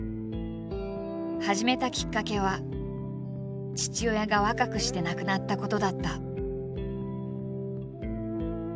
始めたきっかけは父親が若くして亡くなったことだった。